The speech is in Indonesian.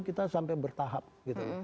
kita sampai bertahap gitu